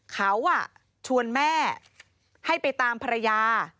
เขาชวนแม่ให้ไปตามภรรยา